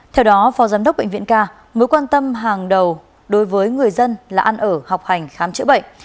theo đó phó giám đốc bệnh viện ca mối quan tâm hàng đầu đối với người dân là ăn ở học hành khám chữa bệnh